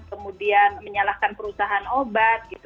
kemudian menyalahkan perusahaan